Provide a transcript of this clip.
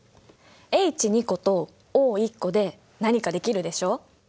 Ｈ２個とＯ１個で何かできるでしょ？